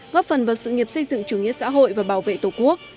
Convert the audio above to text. góp phần vào sự nghiệp xây dựng chủ nghĩa xã hội và bảo vệ tổ quốc